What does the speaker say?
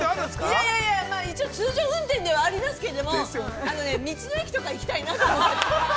◆いやいや、一応通常運転ではありますけども道の駅とか行きたいなと思って。